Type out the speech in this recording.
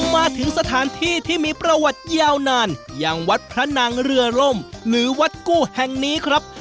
มาถึงสถานที่ที่มีประวัติยาวนานอย่างวัดพระนางเรือล่มหรือวัดกู้แห่งนี้ครับ